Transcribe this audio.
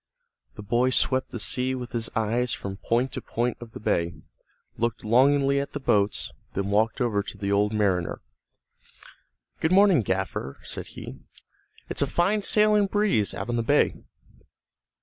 The boy swept the sea with his eyes from point to point of the bay, looked longingly at the boats, then walked over to the old mariner. "Good morning, gaffer," said he. "It's a fine sailing breeze out on the bay."